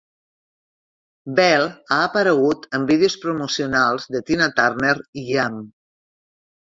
Belle ha aparegut en vídeos promocionals de Tina Turner i Iam.